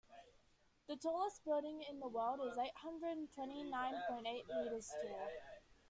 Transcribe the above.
The tallest building in the world is eight hundred twenty nine point eight meters tall.